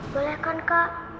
boleh kan kak